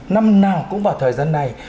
năm nào cũng vào thời gian này